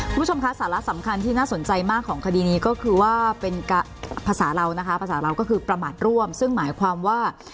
คุณผู้ชมคะสาระสำคัญที่น่าสนใจมากของคดีนี้ก็คือว่าเป็นภาษาเรานะคะภาษาเราก็คือประมาทร่วมซึ่งหมายความว่า